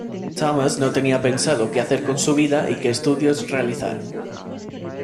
Thomas no tenía pensado que hacer con su vida y que estudios realizar.